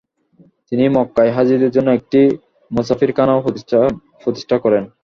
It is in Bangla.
তিনি মক্কায় হাজীদের জন্য একটি 'মুসাফিরখানাও প্রতিষ্ঠা করেন।